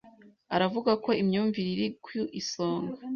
aravuga ko imyumvire iri ku isonga